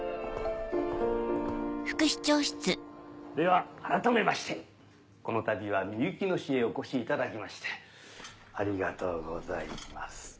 では改めましてこのたびはみゆきの市へお越しいただきましてありがとうございます。